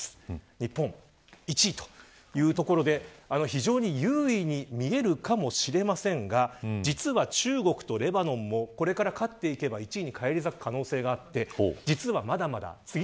日本１位というところで非常に優位に見えるかもしれませんが実は中国とレバノンもこれから勝っていけばおはよう。